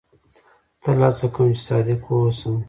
تل هڅه کوم، چي صادق واوسم.